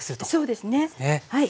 そうですね。